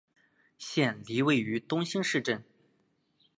县莅位于东兴市镇。